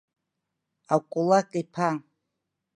Акулак иԥа!